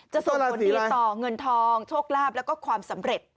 ส่งผลดีต่อเงินทองโชคลาภแล้วก็ความสำเร็จ